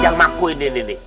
yang pakui diri